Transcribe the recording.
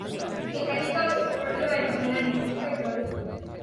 Mekanika, petrolioa eta janari industriak daude.